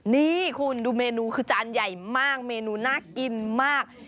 นี่คุณดูเมนูคือจานใหญ่มากเมนูน่ากินมาก